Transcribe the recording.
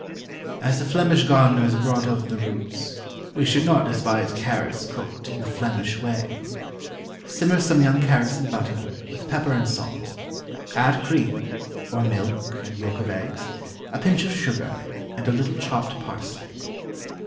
As the Flemish gardeners brought over the roots, we should not despise carrots cooked in the FLEMISH way. Simmer some young carrots in butter, with pepper and salt. Add cream (or milk and yolk of eggs), a pinch of sugar, and a little chopped parsley.